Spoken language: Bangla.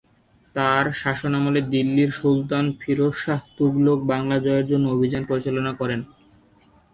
তার শাসনামলে দিল্লীর সুলতান ফিরোজ শাহ তুঘলক বাংলা জয়ের জন্য অভিযান পরিচালনা করেন।